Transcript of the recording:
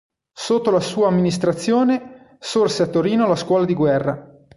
Sotto la sua amministrazione, sorse a Torino la Scuola di guerra.